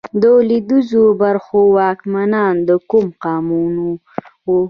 د لوېدیځو برخو واکمنان د کوم قامونه وو؟